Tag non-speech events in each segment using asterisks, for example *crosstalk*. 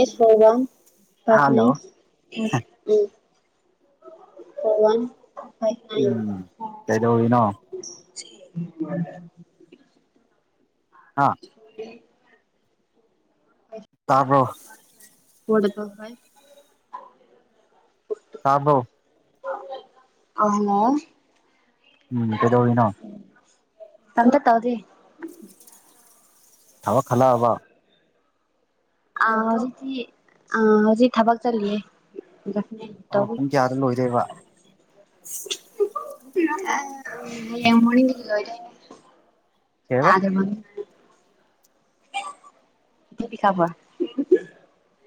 ꯑꯦꯁꯣ *unintelligible* ꯐꯥꯁ ꯋꯤ ꯍꯜꯂꯣ ꯎꯝ ꯑꯣ ꯋꯥꯟ *unintelligible* ꯎꯝ ꯀꯩꯗꯧꯋꯤꯅꯣ *unintelligible* ꯑ *unintelligible* ꯇꯥꯕ꯭ꯔꯣ ꯐꯣꯔ *unintelligible* ꯇꯥꯕ꯭ꯔꯣ ꯑꯥ ꯍꯜꯂꯣ ꯎꯝ ꯀꯩꯗꯧꯔꯤꯅꯣ ꯀꯩꯝꯇ ꯇꯧꯗꯦ ꯊꯕꯛ ꯍꯜꯂꯛꯑꯕ ꯑ ꯍꯧꯖꯤꯛꯇꯤ ꯑ ꯍꯧꯖꯤꯛ ꯊꯕꯛ ꯆꯠꯂꯤꯌꯦ ꯑ ꯇꯧꯕꯤ ꯄꯨꯡ ꯀꯌꯥꯗ ꯂꯣꯏꯗꯣꯢꯕ ꯍꯌꯦꯡ ꯃꯣꯔꯅꯤꯡ ꯂꯣꯢꯗꯣꯢꯅꯦ ꯀꯩꯕ ꯇꯥꯗ *unintelligible* ꯄꯤꯈꯥꯕ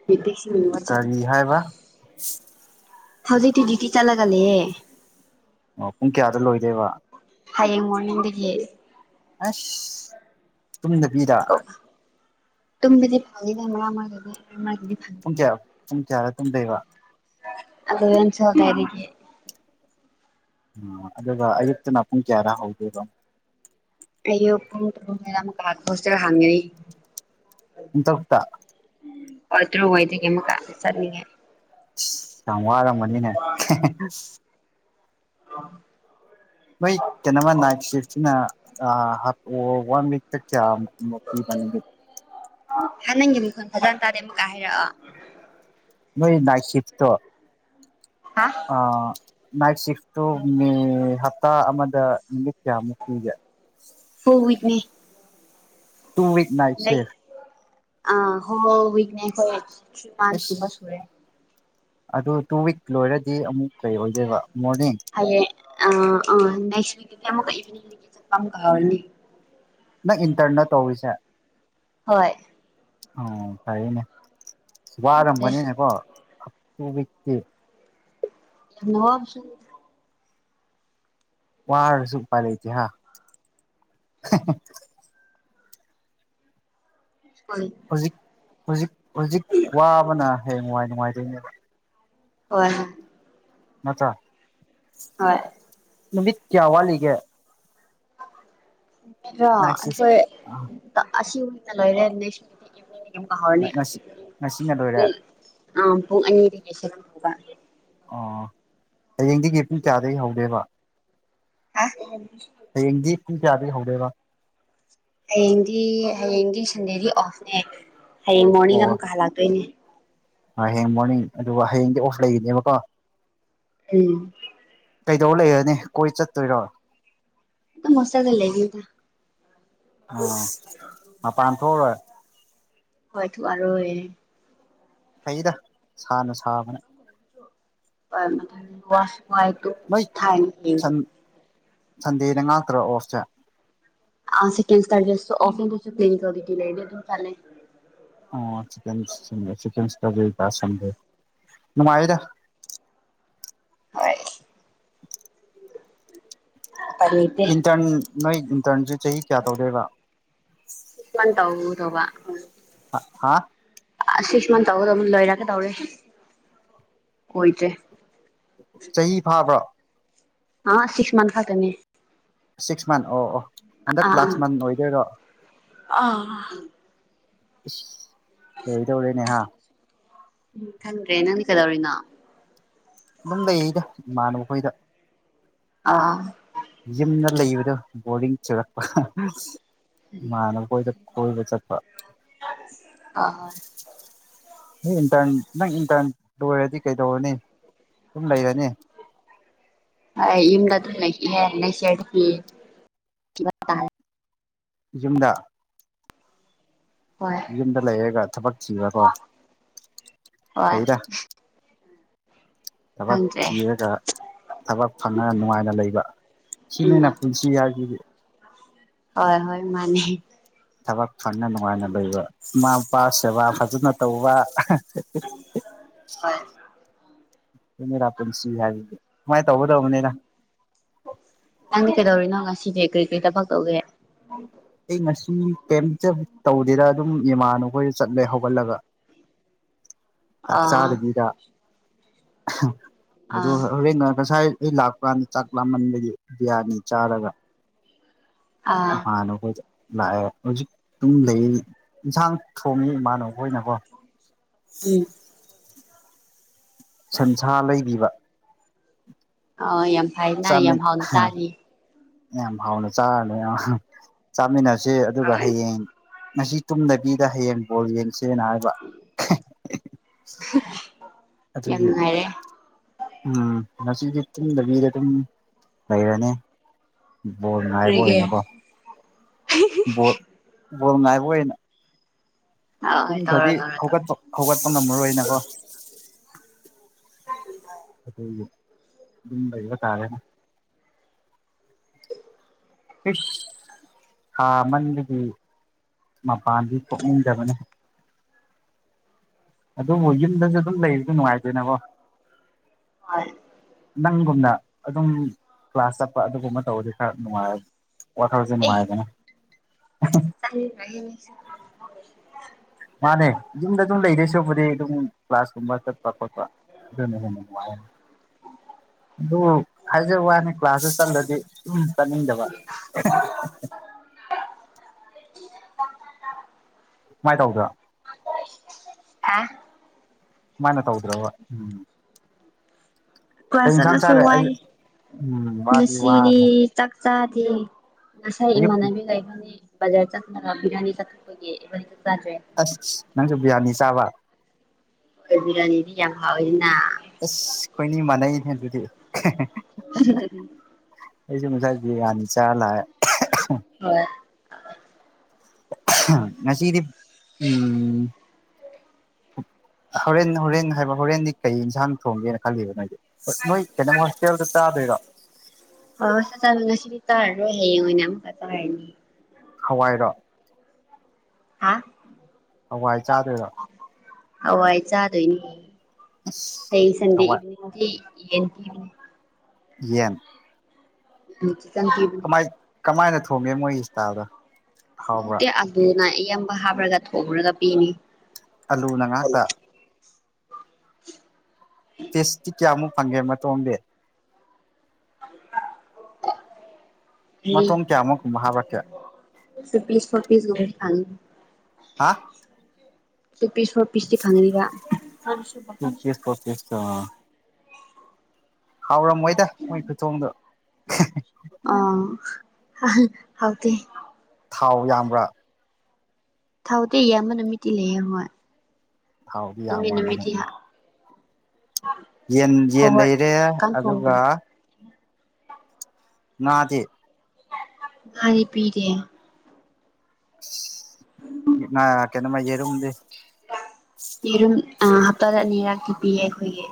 ꯄꯤꯄꯤꯁ ꯀꯔꯤ ꯍꯥꯏꯕ ꯍꯧꯖꯤꯛꯇꯤ ꯗꯤꯌꯨꯇꯤ ꯆꯠꯂꯒꯂꯩꯌꯦ ꯑꯣ ꯄꯨꯡ ꯀꯌꯥꯗ ꯂꯣꯏꯗꯣꯢꯕ ꯍꯌꯦꯡ ꯃꯣꯔꯅꯤꯡꯗꯒꯤ ꯑꯁ ꯇꯨꯝꯗꯕꯤꯗ ꯑꯣ ꯇꯨꯝꯕꯗꯤ ꯐꯪꯉꯤꯗ ꯃꯔ ꯃꯔꯛꯇꯗꯤ ꯃꯔꯛ ꯃꯔꯛꯇꯗꯤ ꯐꯪꯗꯦ ꯄꯨꯡ ꯀ꯭ꯌꯥ ꯄꯨꯡ ꯀꯌꯥꯗ ꯇꯨꯝꯗꯣꯢꯕ ꯑꯦꯜꯚꯦꯟ ꯇ꯭ꯋꯦꯜꯐ ꯗꯥꯢꯗꯒꯤ ꯑ ꯑꯗꯨꯒ ꯑꯌꯨꯛꯇꯅ ꯄꯨꯡ ꯀꯌꯥꯗ ꯍꯧꯗꯨꯏꯕ ꯑꯌꯨꯛ ꯄꯨꯡ ꯇꯔꯨꯛ *unintelligible* ꯍꯣꯁꯇꯦꯜ ꯍꯥꯡꯉꯩ ꯄꯨꯡ ꯇꯧꯛꯇ ꯍꯣꯢ ꯇ꯭ꯔꯨꯛꯋꯥꯢꯗꯒꯤ ꯑꯃꯨꯛꯀ ꯆꯠꯅꯤꯡꯉꯦ ꯁꯤ ꯌꯥꯝ ꯋꯥꯔꯝꯒꯅꯤꯅꯦ ꯈꯦꯍ ꯍꯦ ꯃꯣꯏ ꯀꯩꯅꯣꯃ ꯅꯥꯏꯠ ꯁꯤꯐꯁꯤꯅ ꯑꯥ ꯍꯥꯞ ꯑꯣ ꯋꯥꯟ ꯋꯤꯛ ꯗꯦꯠ ꯀꯌꯥ ꯃꯣ ꯃꯣꯛ ꯄꯤꯕ ꯅꯣꯢꯗꯤ ꯍꯥ ꯅꯪꯒꯤ ꯃꯈꯣꯟ ꯐꯖꯟ ꯇꯥꯗꯦ ꯑꯃꯨꯛꯀ ꯍꯥꯏꯔꯛꯑꯣ ꯅꯣꯏ ꯅꯥꯢꯠꯁꯤꯐꯇꯣ ꯍꯥ ꯑ ꯅꯥꯢꯠ ꯁꯤꯐꯇꯣ ꯃꯦ ꯍꯥꯞꯇꯥ ꯑꯃ ꯗ ꯅꯨꯃꯤꯠ ꯀꯌꯥꯃꯨꯛꯄꯤꯒꯦ ꯐꯨꯜ ꯋꯤꯛꯅꯤ ꯇꯨꯋꯤꯛ ꯅꯥꯢꯠ ꯁꯤꯐ ꯑꯥ ꯍꯣ ꯋꯤꯛꯅꯦ ꯍꯣꯏ *unintelligible* ꯑꯁ ꯀꯨꯝꯕ ꯁꯨꯔꯦ ꯑꯗꯨ ꯇꯨ ꯋꯤꯛ ꯂꯣꯏꯔꯗꯤ ꯑꯃꯨꯛ ꯀꯩ ꯑꯣꯏꯗꯣꯏꯕ ꯃꯣꯔꯅꯤꯡ ꯍꯌꯦꯡ ꯑꯥ ꯑ ꯅꯦꯁꯠꯀꯤꯗꯤ ꯢꯚꯤꯅꯤꯡꯗꯒꯤ ꯆꯠꯄ ꯑꯃꯨꯛꯀ ꯍꯧꯔꯅꯤ ꯅꯪ ꯏꯟꯇ꯭ꯔꯟꯂ ꯇꯧꯔꯤꯁꯦ ꯍꯣꯏ ꯑꯣ ꯐꯔꯤꯅꯦ ꯋꯥꯔꯝꯒꯅꯤꯅꯦꯀꯣ ꯇꯨꯋꯤꯛꯇꯤ *unintelligible* ꯋꯥꯔꯁꯨ ꯎꯄꯥꯢ ꯂꯩꯇꯦ ꯍꯥ ꯍꯦꯍꯦ ꯍꯣꯢ ꯍꯨꯖꯤꯛ ꯍꯨꯖꯤꯛ ꯋꯥꯕꯅ ꯍꯌꯦꯡꯋꯥꯢ ꯅꯨꯡꯉꯥꯏꯗꯨꯏꯅꯦꯕ ꯍꯣꯏ ꯍꯣꯏ ꯅꯠꯇ꯭ꯔ ꯍꯣꯏ ꯅꯨꯃꯤꯠ ꯀ꯭ꯌꯥ ꯋꯥꯠꯂꯤꯒꯦ ꯃꯤꯠꯔꯣ ꯅꯥꯏꯠ ꯑꯩꯈꯣꯏ ꯁꯤꯐ ꯑꯁꯤꯅ ꯂꯣꯢꯔꯦ *unintelligible* ꯑꯃꯨꯛꯀ ꯍꯧꯔꯅꯤ ꯉꯁꯤ ꯉꯁꯤꯅ ꯂꯣꯏꯔꯦ ꯄꯨꯡ ꯑ ꯄꯨꯡ ꯑꯅꯤꯗꯒꯤ ꯁꯦꯚꯦꯟꯐꯥꯎꯕ ꯑꯣ ꯍꯌꯦꯡꯗꯒꯤ ꯄꯨꯡ ꯀꯌꯥꯗꯒꯤ ꯍꯧꯗꯣꯢꯕ ꯑ ꯄꯨꯡ ꯀ꯭ꯌꯥꯗꯩ ꯍꯧꯗꯣꯢꯕ ꯍꯌꯦꯡꯗꯤ ꯍꯌꯦꯡꯗꯤ ꯁꯟꯗꯦꯗꯤ ꯑꯣꯐꯅꯦ ꯍꯌꯦꯡ ꯑꯣ ꯃꯣꯔꯅꯤꯡꯗ ꯑꯃꯨꯛꯀ ꯍꯜꯂꯥꯛꯇꯣꯏꯅꯦ *unintelligible* ꯍꯌꯦꯡ ꯃꯣꯔꯅꯤꯡ ꯑꯗꯨꯒ ꯍꯌꯦꯡꯗꯤ ꯑꯣꯐ ꯂꯩꯒꯅꯤꯕꯀꯣ ꯎꯝ ꯀꯩꯗꯧꯂꯩꯔꯅꯤ ꯀꯣꯏ ꯆꯠꯇꯣꯏꯔꯣ ꯑꯗꯨꯝ ꯍꯣꯁꯇꯦꯜꯗ ꯂꯩꯅꯤꯗ ꯑꯣ ꯃꯄꯥꯟ ꯊꯣꯛꯑꯔꯣꯏ ꯍꯣꯢ ꯊꯣꯛꯑꯔꯣꯢ ꯐꯩꯌꯦꯗ ꯁꯥꯅ ꯁꯥꯕꯅꯦ ꯑ ꯋꯥꯁꯨ ꯋꯥꯢ ꯇꯨꯝ ꯅꯣꯏ *unintelligible* ꯌꯦꯡꯒꯦ ꯁꯟꯗꯦꯗ ꯉꯥꯛꯇꯔꯣ ꯑꯣꯐꯁꯦ ꯑ ꯁꯦꯀꯦꯟꯁꯇꯔꯗꯦꯁꯨ ꯑꯣꯐꯅꯦ ꯑꯗꯣ *unintelligible* ꯂꯩꯗꯤ ꯑꯗꯨꯝ ꯆꯦꯠꯂꯦ ꯑꯣ ꯁꯦꯀꯦꯟ *unintelligible* ꯁꯦꯀꯦꯟ *unintelligible* ꯁꯟꯗꯦ ꯅꯨꯉꯥꯢꯌꯦꯗ ꯍꯣꯏ ꯎꯄꯥꯏ ꯂꯩꯇꯦ ꯏꯟꯇ꯭ꯔꯟ ꯅꯣꯏ ꯏꯟꯇ꯭ꯔꯟꯁꯦ ꯆꯍꯤ ꯀꯌꯥ ꯇꯧꯗꯣꯢꯕ ꯗꯧꯕ ꯍꯥ ꯑꯁꯤꯁꯃꯥ ꯇꯧꯒꯗꯧꯕ ꯂꯣꯏꯔꯛꯒꯇꯧꯔꯦ ꯀꯨꯢꯗ꯭ꯔꯦ ꯆꯍꯤ ꯐꯥꯕ꯭ꯔꯣ ꯑ ꯁꯤꯛꯁ ꯃꯟ ꯈꯛꯇꯅꯦ ꯁꯤꯛꯁ ꯃꯟ ꯑꯣ ꯑꯣ ꯍꯟꯗꯛ ꯑꯥ ꯑꯥ ꯂꯥꯁ ꯃꯟ ꯑꯣꯏꯗꯣꯏꯔꯣ ꯑꯥ *unintelligible* ꯂꯣꯢꯗꯧꯔꯦꯅꯦ ꯍꯥꯥ ꯎꯝ ꯈꯪꯗ꯭ꯔꯦ ꯅꯪꯗꯤ ꯀꯗꯧꯔꯤꯅꯣ ꯑꯗꯨꯝ ꯂꯩꯔꯤꯗ ꯏꯃꯥꯟꯕꯈꯣꯏꯗ ꯑꯥ ꯌꯨꯝꯗ ꯂꯩꯕꯗꯣ ꯕꯣꯔꯤꯡ ꯆꯨꯔꯛꯄ ꯃꯥꯟꯅꯕ ꯍꯣꯏꯗ ꯀꯣꯏꯕ ꯆꯠꯄ ꯑꯥ *unintelligible* ꯏꯟꯇꯔ ꯅꯪ ꯏꯟꯇ꯭ꯔꯟ ꯂꯣꯏꯔꯗꯤ ꯀꯩꯗꯧꯔꯅꯤ ꯗꯨꯝ ꯂꯩꯔꯅꯤ ꯑꯩ ꯌꯨꯝꯗ ꯑꯗꯨꯝ ꯂꯩꯈꯤꯅꯤ ꯅꯦꯛꯁꯌꯥꯔꯗꯒꯤ ꯊꯤꯕ ꯇꯥꯔꯦ ꯌꯨꯝꯗ ꯍꯣꯏ ꯌꯨꯝꯗ ꯂꯩꯔꯒ ꯊꯕꯛ ꯊꯤꯕꯀꯣ ꯍꯣꯏ ꯐꯩꯗ ꯊꯕꯛ ꯈꯪꯗ꯭ꯔꯦ ꯊꯤꯔꯒ ꯊꯕꯛ ꯐꯪꯉ ꯅꯨꯡꯉꯥꯏꯅ ꯂꯩꯕ ꯎꯝ ꯁꯤꯅꯤꯅ ꯄꯨꯟꯁꯤ ꯍꯥꯏꯕꯁꯤꯗꯤ ꯍꯣꯏ ꯍꯣꯏ ꯃꯥꯅꯦ ꯊꯕꯛ ꯐꯪꯅ ꯅꯨꯡꯉꯥꯏꯅ ꯂꯩꯕ ꯃꯥ ꯄꯥ ꯁꯦꯕꯥ ꯐꯖꯅ ꯇꯧꯕ ꯍꯣꯏ *unintelligible* *unintelligible* ꯗ ꯄꯨꯟꯁꯤ ꯍꯥꯏꯕꯗꯤ ꯁꯨꯃꯥꯏ ꯇꯧꯒꯗꯧꯕꯅꯦꯗ ꯅꯪꯗꯤ ꯀꯩꯗꯧꯔꯤꯅꯣ ꯉꯁꯤꯗꯤ ꯀ꯭ꯔꯤ ꯀ꯭ꯔꯤ ꯊꯕꯛ ꯇꯧꯒꯦ ꯑꯩ ꯉꯁꯤ ꯀꯩꯝꯆ ꯇꯧꯗꯦꯗ ꯑꯗꯨꯝ ꯏꯃꯥꯅꯕꯈꯣꯏ ꯆꯠꯂꯦ ꯍꯧꯒꯠꯂꯒ ꯑꯥ ꯆꯥꯛꯆꯥꯗꯕꯤꯗ *unintelligible* ꯑꯗꯣ ꯑꯥ ꯍꯣꯔꯦꯟꯅ ꯉꯁꯥꯏ ꯑꯩ ꯂꯥꯛꯄꯥꯟꯗ ꯆꯥꯛ ꯂꯥꯃꯟꯕꯒꯤ ꯕꯤꯔꯌꯥꯅꯤ ꯆꯥꯔꯒ ꯑꯥ ꯏꯃꯥꯅꯕ ꯍꯣꯢꯗ ꯂꯥꯛꯑꯦ ꯍꯧꯖꯤꯛ ꯑꯗꯨꯝ ꯂꯩ ꯏꯟꯁꯥꯡ ꯊꯣꯡꯉꯤ ꯏꯃꯥꯟꯅꯕ ꯍꯣꯏꯅꯀꯣ ꯎꯝ ꯁꯟꯁꯥ ꯂꯩꯕꯤꯕ ꯑꯣ ꯌꯥꯝ ꯐꯩꯅꯥ ꯌꯥꯝ ꯆꯥꯃꯤꯟ ꯍꯥꯎꯅ ꯆꯥꯅꯤ ꯌꯥꯝ ꯍꯥꯎꯅ ꯆꯥꯔꯅꯤ ꯑꯍꯥ ꯆꯥꯃꯤꯟꯅꯁꯦ ꯑꯗꯨꯒ ꯍꯣꯏ ꯍꯌꯦꯡ ꯉꯁꯤ ꯇꯨꯝꯗꯕꯤꯗ ꯍꯌꯦꯡ ꯕꯣꯜ ꯌꯦꯡ ꯁꯦꯅ ꯍꯥꯏꯕ *unintelligible* ꯌꯥꯝ ꯑꯗꯨꯒꯤ ꯅꯨꯡꯉꯥꯏꯔꯦ ꯎꯝ ꯉꯁꯤꯗꯤ ꯇꯨꯝꯗꯕꯤꯗ ꯑꯗꯨꯝ ꯂꯩꯔꯅꯤ ꯕꯣꯜ ꯉꯥꯏꯕ ꯑꯣꯏꯅꯀꯣ ꯕꯣꯜ ꯍꯤꯍꯤꯍꯤ *unintelligible* ꯕꯣꯜ ꯉꯥꯏꯕ ꯑꯣꯏꯅ ꯍꯣꯏ ꯍꯣꯏ ꯇꯧꯔꯣ ꯇꯨꯝꯈ꯭ꯔꯗꯤ ꯇꯧꯔꯣ ꯇꯧꯔꯣ ꯍꯧꯒꯠꯄ ꯍꯧꯒꯠꯄ ꯉꯝꯃꯔꯣꯏꯅꯀꯣ ꯑꯗꯨꯒꯤ ꯁꯨꯝ ꯂꯩꯕ ꯇꯥꯔꯦ ꯏꯁ ꯊꯥ ꯑꯃꯟꯗꯒꯤ ꯃꯄꯥꯟꯗꯤ ꯊꯣꯛꯅꯤꯡꯗꯕꯅꯦ ꯑꯗꯨꯕꯨ ꯌꯨꯝꯗꯁꯨ ꯑꯗꯨꯝ ꯂꯩꯕꯗꯨ ꯅꯨꯡꯉꯥꯏꯗꯦꯅꯀꯣ ꯍꯣꯏ ꯅꯪꯒꯨꯝꯅ ꯑꯗꯨꯝ ꯀ꯭ꯂꯥꯁ ꯆꯠꯄ ꯑꯗꯨꯒꯨꯝꯕ ꯇꯧꯔꯗꯤ ꯈꯔ ꯅꯨꯡꯉꯥꯏꯔ ꯋꯈꯜꯁꯦ ꯅꯨꯡꯉꯥꯏꯗꯅ *unintelligible* ꯃꯥꯅꯦ ꯌꯨꯝꯗ ꯑꯗꯨꯝ ꯂꯩꯗꯣꯏ ꯁꯔꯨꯛꯄꯨꯗꯤ ꯑꯗꯨꯝ ꯀ꯭ꯂꯥꯁꯀꯨꯝꯕ ꯆꯠꯄ ꯈꯣꯠꯄ ꯑꯗꯨꯅ ꯍꯦꯟꯅ ꯅꯨꯡꯉꯥꯏ ꯑꯗꯨꯝ ꯍꯥꯏꯖꯕ ꯋꯥꯅꯤ ꯀ꯭ꯂꯥꯁꯇ ꯆꯟꯂꯗꯤ ꯁꯨꯝ ꯆꯠꯅꯤꯡꯗꯕ *unintelligible* ꯃꯥꯏ ꯇꯧꯗ꯭ꯔꯣ ꯍꯥ ꯃꯥꯢꯅ ꯇꯧꯗ꯭ꯔꯕ ꯎꯝ ꯀꯩ ꯀ꯭ꯂꯥꯁ ꯏꯟꯁꯥꯡ ꯆꯠꯂꯁꯨ ꯆꯥꯔꯦ ꯋꯥꯏ ꯑꯌꯨꯛ ꯎꯝ ꯋꯥꯗꯤ ꯉꯁꯤꯗꯤ ꯋꯥꯔꯦ ꯆꯛ ꯆꯥꯗꯦ ꯉꯁꯥꯏ ꯑꯌꯨꯛ ꯏꯃꯥꯅꯕꯤꯒ ꯢꯕꯅꯤ ꯕꯖꯥꯔ ꯆꯠ ꯕꯤꯔꯌꯥꯅꯤ ꯆꯥꯊꯣꯛꯄꯒꯤ ꯆꯥꯗ꯭ꯔꯦ ꯑꯁ ꯅꯪꯁꯨ ꯕꯤꯔꯌꯥꯅꯤ ꯆꯥꯕ ꯍꯣꯏ ꯕ꯭ꯔꯤꯌꯥꯅꯤꯗꯤ ꯌꯥꯝ ꯍꯥꯎꯋꯦ *unintelligible* ꯍꯦꯍꯦ *unintelligible* ꯑꯩꯖꯨ ꯉꯁꯥꯏ ꯕꯤꯔꯌꯥꯅꯤ ꯆꯥꯔ ꯂꯥꯛꯑꯦ *unintelligible* ꯍꯣꯏ *unintelligible* ꯉꯁꯤꯗꯤ ꯎꯝ ꯍꯣꯔꯦꯟ ꯍꯣꯔꯦꯟ ꯍꯥꯏꯕ ꯍꯣꯔꯦꯟꯗꯤ ꯀꯩ ꯏꯟꯁꯥꯡ ꯊꯣꯡꯒꯦꯅ ꯈꯜꯂꯤꯕ ꯅꯣꯏꯗꯤ ꯅꯣꯏ ꯀꯩꯅꯣ ꯍꯣꯁꯇꯦꯜꯗ ꯆꯥꯗꯣꯢꯔꯣ ꯑꯁ *unintelligible* ꯉꯁꯤꯗꯤ ꯆꯥꯔꯔꯣꯏ ꯍꯌꯦꯡ ꯑꯣꯏꯅ ꯑꯃꯨꯛꯀ ꯆꯥꯔꯅꯤ ꯍꯋꯥꯏꯔꯣ ꯍꯥ ꯍꯋꯥꯏ ꯆꯥꯗꯣꯏꯔꯣ ꯍꯋꯥꯏ ꯆꯥꯗꯣꯏꯅꯤ ꯑꯁ ꯍꯌꯦꯡ ꯁꯟꯗꯦ ꯍꯋꯥꯏ ꯏꯚꯤꯅꯤꯡ *unintelligible* ꯌꯦꯟ ꯄꯤꯕꯅꯦ ꯌꯦꯟ ꯑꯝ ꯆꯤꯛꯀꯟ ꯄꯤꯕꯅꯦ ꯀꯃꯥꯏ ꯀꯃꯥꯏꯅ ꯊꯣꯡꯒꯦ ꯃꯣꯏ ꯁ꯭ꯇꯥꯢꯜꯗꯣ ꯍꯥꯎꯇꯦ ꯑꯂꯨꯅ ꯑꯌꯥꯝꯕ ꯍꯥꯞꯔꯒ ꯊꯣꯡꯔꯒ ꯄꯤꯅꯤ ꯑꯂꯨꯅ ꯉꯥꯛꯇ ꯄꯤꯁꯇꯤ ꯀꯌꯥꯃꯨꯛ ꯐꯪꯒꯦ ꯃꯇꯣꯡꯗꯤ *unintelligible* ꯃꯇꯣꯡ ꯀꯌꯥꯃꯨꯛꯀꯨꯝꯕ ꯍꯥꯞꯔꯛꯀꯦ ꯎꯝ ꯄꯤꯁ *unintelligible* ꯐꯪꯉꯦ ꯍꯥ *unintelligible* ꯇꯤ ꯐꯪꯉꯦꯕ ꯇꯨ ꯄꯤꯁ ꯐꯣꯔ ꯄꯤꯁꯇꯣ ꯍꯥꯎꯔꯝꯃꯣꯏꯗ ꯃꯣꯏ ꯈꯨꯊꯣꯡꯗꯣ *unintelligible* ꯑ ꯍꯍꯥ ꯍꯥꯎꯇꯦ ꯊꯥꯎ ꯌꯥꯝꯕ꯭ꯔꯥ ꯊꯥꯎꯇꯤ ꯌꯥꯝꯕ ꯅꯨꯃꯤꯠꯇꯤ ꯂꯩꯌꯦ ꯍꯣꯢ ꯊꯥꯎꯗꯤ ꯌꯥꯝꯔꯝꯒꯅꯤ ꯌꯦꯟ ꯌꯦꯟ ꯂꯩꯔꯦ ꯐꯣꯔꯋꯥꯔꯗ ꯀꯥꯡꯁꯣꯡꯗꯣ ꯑꯗꯨꯒ ꯉꯥꯗꯤ ꯉꯥꯗꯤ ꯄꯤꯗꯦ ꯑꯁ *unintelligible* ꯀꯩꯅꯣꯃ ꯌꯦꯔꯨꯝꯗꯤ ꯌꯦꯔꯨꯝ ꯑ ꯍꯞꯇꯥꯗ ꯑꯅꯤꯔꯛꯇꯤ ꯄꯤꯌꯦ ꯑꯩꯈꯣꯏꯒꯤ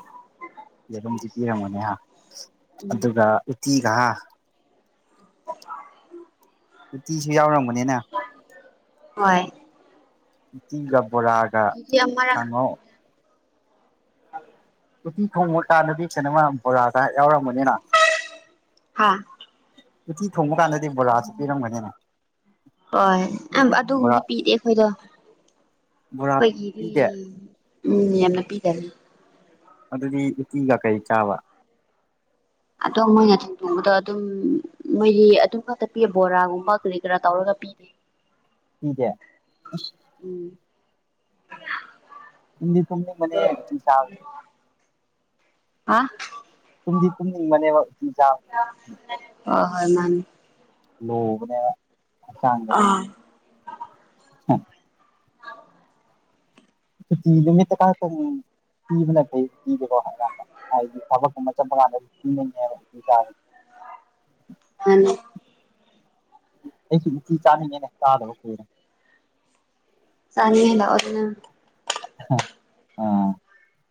ꯌꯦꯔꯨꯝꯗꯤ ꯄꯤꯔꯝꯒꯅꯦꯍꯥ ꯎꯝ ꯑꯗꯨꯒ ꯎꯇꯤꯒꯍꯥ ꯎꯠꯇꯤꯁꯨ ꯌꯥꯎꯔꯝꯒꯅꯦꯅ ꯍꯣꯢ ꯎꯇꯤꯒ ꯕꯣꯔꯥꯒ ꯑꯃꯔꯛ ꯀꯥꯡꯍꯧ *inaudible* ꯎꯠꯇꯤ ꯊꯣꯡꯕ ꯀꯥꯟꯗꯗꯤ ꯀꯩꯅꯣꯃ ꯕꯣꯔꯥꯒ ꯌꯥꯎꯔꯝꯒꯅꯦꯅ ꯍꯥꯥ ꯎꯠꯇꯤ ꯊꯣꯡꯕꯀꯥꯟꯗ ꯍꯣꯏ ꯑꯝ ꯕꯣꯔꯥ ꯑꯗꯨꯒꯨꯝꯗꯤ ꯄꯤꯗꯦ ꯑꯈꯣꯏꯗꯣ ꯕꯣꯔꯥ ꯈꯣꯏꯒꯤꯗꯤ ꯄꯤꯗꯦ ꯎꯝ ꯌꯥꯝꯅ ꯄꯤꯗꯅꯦ ꯑꯗꯨꯗꯤ ꯎꯇꯤꯒ ꯀꯩ ꯆꯥꯕ ꯑꯗꯣ ꯃꯣꯏ *unintelligible* ꯊꯣꯡꯕꯗꯣ ꯑꯗꯨꯝ ꯃꯣꯏꯒꯤ ꯑꯗꯨꯉꯥꯛꯇꯄꯤ ꯕꯣꯔꯥꯒꯨꯝꯕ ꯀꯔꯤ ꯀꯔꯥ ꯇꯧꯔꯒ ꯄꯤꯗꯦ ꯄꯤꯗꯦ ꯑꯁ ꯎꯝ ꯇꯨꯝꯗꯤ ꯇꯨꯝꯅꯤꯡꯕꯅꯦ ꯎꯇꯤ ꯆꯥꯕꯁꯦ ꯑ ꯇꯨꯝꯗꯤ ꯇꯨꯝꯅꯤꯡꯕꯅꯦꯕ ꯎꯇꯤ ꯆꯥꯕꯁꯦ ꯍꯣꯢ ꯃꯥꯟꯅꯦ ꯃꯨꯕꯅꯦꯕ ꯑꯥ ꯍꯝ *unintelligible* ꯄꯤꯕꯅꯐꯩ ꯇꯤꯖꯦꯀꯣ *unintelligible* ꯍꯥꯏꯗꯤ ꯊꯕꯛꯀꯨꯝꯕ ꯆꯠꯄ ꯀꯥꯟꯗ *unintelligible* ꯆꯥꯕ ꯃꯥꯅꯤ ꯑꯩꯁꯨ ꯎꯠꯇꯤ ꯆꯥꯅꯤꯡꯉꯦꯗ ꯆꯥꯗꯕ ꯀꯨꯢꯔꯦ ꯆꯥꯅꯤꯡꯉꯩ ꯂꯥꯛꯑꯣꯗꯅ *unintelligible*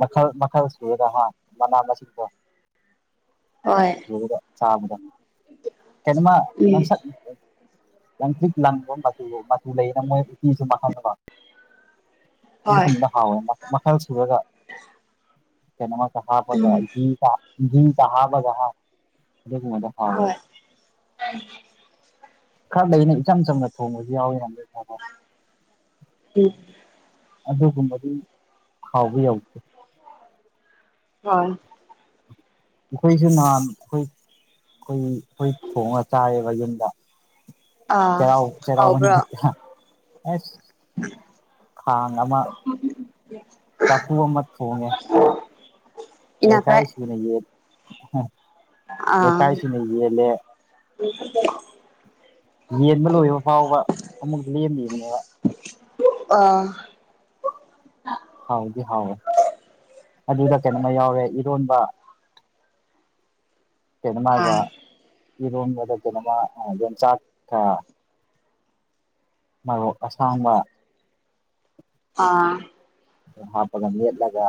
ꯃꯈꯜ ꯃꯈꯜ ꯁꯨꯨꯔꯒ ꯍꯥ ꯃꯅꯥ ꯃꯁꯤꯡꯗꯣ ꯍꯣꯏ ꯁꯨꯔꯒ ꯆꯥꯕꯗꯣ ꯀꯩꯅꯣꯃ ꯎꯝ ꯉꯥꯡꯁꯛ ꯂꯪꯇ꯭ꯔꯤꯛ ꯂꯪꯕ ꯃꯆꯨ ꯃꯆꯨ ꯂꯩꯌꯦꯅ ꯃꯣꯏ ꯎꯇꯤꯁꯨ ꯃꯈꯜ *unintelligible* ꯍꯣꯏ ꯑꯗꯨꯒꯨꯝꯕ ꯍꯥꯎꯋꯦ ꯃ ꯃꯈꯜ ꯁꯨꯔꯒ ꯀꯩꯅꯣꯃ ꯍꯥꯞꯄꯒ ꯎꯝ ꯒꯤꯒ ꯒꯤꯒ ꯍꯥꯞꯄꯒ ꯍꯥ ꯑꯗꯨꯒꯨꯝꯕꯗꯣ ꯍꯣꯏ ꯍꯥꯎꯋꯦꯕ ꯈꯔ ꯂꯩꯅ ꯏꯆꯝ ꯆꯝꯅ ꯊꯣꯡꯕꯁꯨ ꯌꯥꯎꯋꯤꯅ ꯎꯝ ꯑꯗꯨꯒꯨꯝꯕꯗꯤ ꯍꯥꯎꯕ ꯌꯧꯗꯦ ꯍꯣꯏ ꯑꯩꯈꯣꯏꯁꯨ ꯅꯍꯥꯟ ꯑꯩꯈꯣꯏ ꯑꯩꯈꯣꯏ ꯈꯣꯏ ꯊꯣꯡꯉꯒ ꯆꯥꯏꯌꯦꯕ ꯌꯨꯝꯗ ꯑꯥ ꯆꯦꯔꯥꯎ ꯆꯩꯔꯥꯎꯕ ꯍꯥꯎꯕ꯭ꯔꯣ ꯅꯨꯃꯤꯠꯇ ꯑꯁ ꯈꯥꯡ ꯑꯃ ꯆꯥꯐꯨ ꯑꯃ ꯊꯣꯡꯉꯦ ꯏꯅꯥ ꯂꯩꯀꯥꯢ ꯐ꯭ꯔꯥꯏ ꯁꯨꯅ ꯌꯦꯜ ꯑꯍꯥ ꯑꯥ ꯂꯩꯀꯥꯏꯁꯨꯅ ꯌꯦꯜꯂꯦ ꯌꯦꯟꯕ ꯂꯣꯏꯕ ꯐꯥꯎꯕ ꯑꯃꯨꯛ ꯂꯦꯝꯃꯤꯕꯅꯦꯕ ꯑꯥ ꯍꯥꯎꯗꯤ ꯍꯥꯎꯋꯦ ꯑꯗꯨꯗ ꯀꯩꯅꯣꯝꯃ ꯌꯥꯎꯔꯦ ꯏꯔꯣꯟꯕ *inaudible* ꯑꯥ ꯀꯩꯅꯣꯃꯒ ꯏꯔꯣꯟꯕꯗ ꯀꯩꯅꯣꯃ ꯑꯥ ꯌꯣꯟꯆꯥꯛꯀ ꯃꯔꯣꯛ ꯑꯁꯥꯡꯕ ꯑꯥ ꯃ ꯍꯥꯛꯄꯒ ꯃꯦꯠꯂꯒ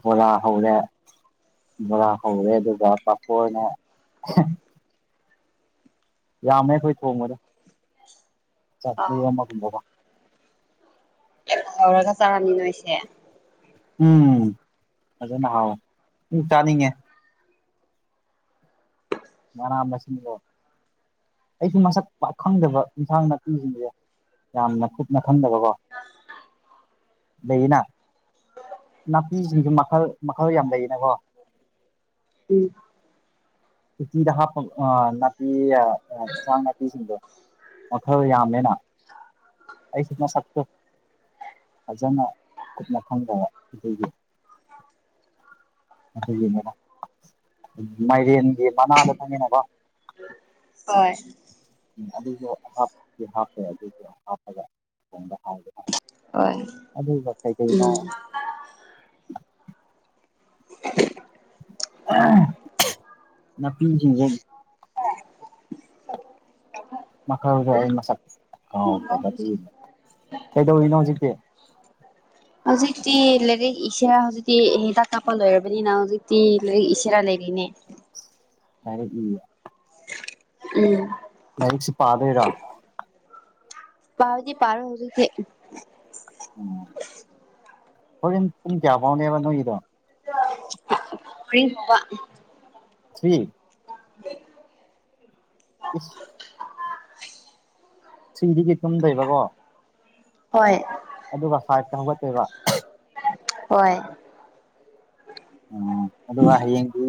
ꯕꯣꯔꯥ ꯍꯧꯔꯦ ꯕꯣꯔꯥ ꯍꯧꯔꯦ ꯑꯗꯨ ꯒ ꯄꯥꯐꯣꯔꯅ ꯑꯍꯦꯝ ꯌꯥꯝꯃꯦ ꯑꯩꯈꯣꯏ ꯊꯣꯡꯕꯗꯣ ꯆꯥꯐꯨ ꯑꯃꯒꯨꯝꯕ ꯀꯣ ꯇꯧꯔꯒ ꯆꯥꯔꯝꯅꯤ ꯅꯣꯏꯁꯦ ꯎꯝ ꯐꯖꯅ ꯍꯥꯎꯋꯦ ꯎꯝ ꯆꯥꯅꯤꯡꯉꯦ ꯃꯅꯥ ꯃꯁꯤꯡꯗꯣ ꯑꯩꯁꯨ ꯃꯁꯛ ꯄꯥꯛ ꯈꯪꯗꯕ ꯏꯟꯁꯥꯡ ꯅꯥꯄꯤꯁꯤꯡꯁꯦ ꯌꯥꯝꯅ ꯀꯨꯞꯅ ꯈꯪꯗꯕꯀꯣ ꯂꯩꯌꯦꯅ ꯅꯥꯄꯤꯁꯤꯡꯁꯨ ꯃꯈꯜ ꯃꯈꯜ ꯌꯥꯝ ꯂꯩꯌꯦꯅꯀꯣ ꯎꯝ ꯎꯇꯤꯗ ꯍꯥꯞꯄ ꯑꯥ ꯅꯥꯄꯤ ꯑ ꯏꯟꯁꯥꯡ ꯅꯥꯄꯤꯁꯤꯡꯗꯣ ꯃꯈꯜ ꯌꯥꯝꯃꯦꯅ ꯑꯩꯁꯨ ꯃꯁꯛꯇꯣ ꯐꯖꯅ ꯀꯨꯞꯅ ꯈꯪꯗꯕ ꯑꯗꯨꯒꯤ ꯑꯗꯨꯒꯤꯅꯦꯕ ꯬꯬꯬ꯃꯥꯢꯔꯦꯟ ꯃꯅꯥꯗꯣ ꯈꯪꯉꯦꯅꯥꯀꯣ ꯍꯣꯏ ꯎꯝ ꯑꯗꯨꯁꯨ ꯍꯥꯞꯇꯤ ꯍꯥꯞꯄꯦ ꯑꯗꯨꯁꯨ ꯍꯥꯞꯄꯒ ꯊꯣꯡꯕ ꯍꯥꯎꯕꯅ ꯍꯣꯏ ꯑꯗꯨꯒ ꯀꯩ ꯀꯩꯅꯣ ꯎꯝ *inaudible* ꯑꯍ ꯅꯥꯄꯤꯁꯤꯡꯖꯦ ꯃꯈꯜꯗꯣ ꯑꯩ ꯃꯁꯛ ꯀꯥꯎꯈ꯭ꯔꯕ ꯑꯗꯨꯢꯅꯦ ꯀꯩꯗꯧꯔꯤꯅꯣ ꯍꯧꯖꯤꯛꯇꯤ ꯍꯧꯖꯤꯛꯇꯤ ꯂꯩꯔꯤꯛ ꯏꯁꯦꯔꯥ ꯍꯧꯖꯤꯛꯇꯤ ꯍꯤꯗꯥꯛ ꯀꯥꯞꯄ ꯂꯣꯏꯔꯕꯅꯤꯅ ꯍꯧꯖꯤꯛꯇꯤ ꯂꯩꯔꯤꯛ ꯏꯁꯤꯔꯥ ꯂꯩ ꯑꯅꯦ ꯂꯥꯢꯔꯤꯛ ꯏꯌꯦ ꯎꯝ ꯂꯥꯏꯔꯤꯛꯁꯤ ꯄꯥꯗꯣꯏꯔꯣ ꯄꯥꯕꯗꯤ ꯄꯥꯔꯣꯢ ꯍꯧꯖꯤꯛꯇꯤ ꯎꯝ ꯍꯣꯔꯦꯟ ꯄꯨꯡ ꯀꯌꯥ ꯐꯥꯎꯅꯦꯕ ꯅꯣꯏꯒꯤꯗꯣ ꯃꯔꯤ ꯐꯥꯎꯕ ꯊ꯭ꯔꯤ *inaudible* ꯏꯁ ꯑꯥ ꯊ꯭ꯔꯤꯗꯤ ꯇꯨꯝꯗꯣꯏꯕꯀꯣ ꯍꯣꯏ ꯑꯗꯨꯒ ꯐꯥꯢꯐꯇ ꯍꯧꯒꯠꯇꯣꯏꯕ ꯍꯣꯏ ꯑꯣ ꯑꯗꯨꯒ ꯍꯌꯦꯡꯗꯤ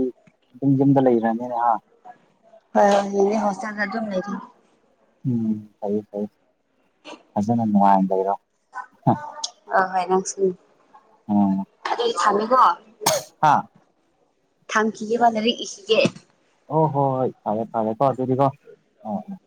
ꯗꯨꯝ ꯌꯨꯝꯗ ꯂꯩꯔꯅꯤꯅꯦ ꯍꯥ ꯍꯣꯏ ꯍꯣꯏ ꯍꯌꯦꯡꯗꯤ ꯍꯣꯁꯇꯦꯜꯗ ꯑꯗꯨꯝ ꯂꯩꯗꯣꯢꯅꯦ ꯎꯝ ꯐꯩ ꯐꯩ ꯐꯖꯅ ꯅꯨꯡꯉꯥꯏ ꯂꯩꯔꯣ ꯑ ꯍꯣꯏ ꯅꯪꯁꯨ ꯑꯗꯨꯗꯤ ꯊꯝꯃꯦꯀꯣ ꯍꯥꯥ ꯊꯝꯈꯤꯒꯦꯕꯥ ꯂꯥꯢꯔꯤꯛ ꯏꯈꯤꯒꯦ ꯑꯣ ꯍꯣꯏ ꯍꯣꯏ ꯐꯔꯦ ꯐꯔꯦꯀꯣ ꯑꯗꯨꯗꯤꯀꯣ *unintelligible*